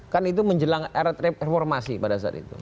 kan itu menjelang era reformasi pada saat itu